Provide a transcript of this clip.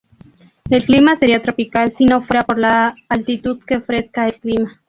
El clima sería tropical sí no fuera por la altitud que fresca el clima.